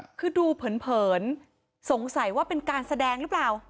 คือดูเผินสงสัยว่าเป็นการแสดงหรือเปล่า